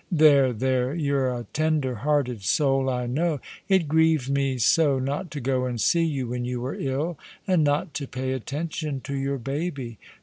" There, there ; you're a tender hearted soul, I know. It grieved me so not to go and see you when you were ill ; and not to pay attention to your baby.